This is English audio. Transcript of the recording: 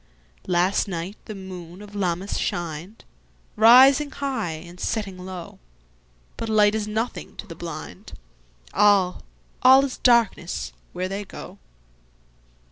Last night the moon of Lammas shined, Rising high and setting low; But light is nothing to the blind—All, all is darkness where they go.